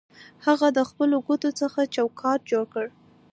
هغه د خپلو ګوتو څخه چوکاټ جوړ کړ